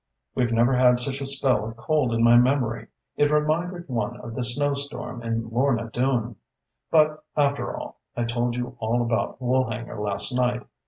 We've never had such a spell of cold in my memory. It reminded one of the snowstorm in 'Lorna Doone.' But after all, I told you all about Woolhanger last night.